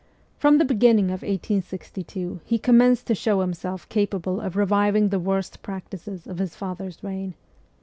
From the beginning of 1862 he commenced to show himself capable of reviving the worst practices of his father's reign.